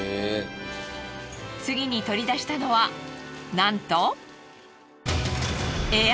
次に取り出したのはなんと。